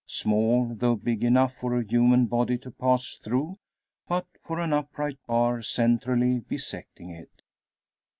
Small, though big enough for a human body to pass through, but for an upright bar centrally bisecting it.